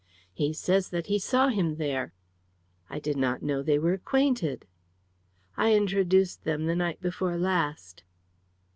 "He says that he saw him there." "I did not know they were acquainted!" "I introduced them the night before last."